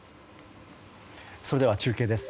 それでは中継です。